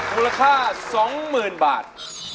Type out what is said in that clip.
มูลค่า๒๐๐๐บาท